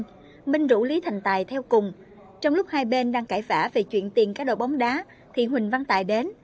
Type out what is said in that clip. nguyễn thế minh rủ lý thành tài theo cùng trong lúc hai bên đang cãi vã về chuyện tiền các đồ bóng đá thì huỳnh văn tài đến